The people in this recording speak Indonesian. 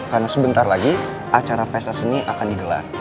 karena sebentar lagi acara pesta seni akan digelar